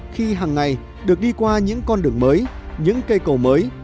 khi hàng ngày được đi qua những con đường mới những cây cầu mới